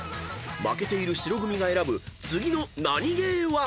［負けている白組が選ぶ次のナニゲーは？］